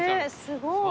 すごい。